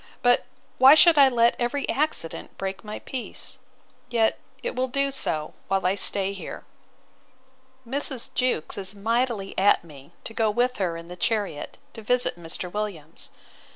—But why should I let every accident break my peace? Yet it will do so, while I stay here. Mrs. Jewkes is mightily at me, to go with her in the chariot, to visit Mr. Williams.